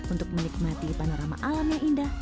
untuk menikmati panorama alam yang indah